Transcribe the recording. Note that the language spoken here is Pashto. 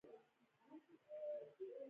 سیندونه د افغانستان د طبیعي پدیدو یو رنګ دی.